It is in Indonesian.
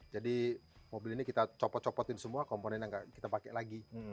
jadi mobil ini kita copot copotin semua komponen yang tidak kita pakai lagi